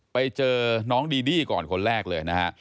ไปเจอน้องดีดี้ก่อนคนแรกเลยนะฮะ